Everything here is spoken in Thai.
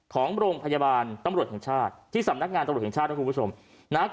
ของโรงพยาบาลตำรวจแห่งชาติที่สำนักงานตำรวจแห่งชาติ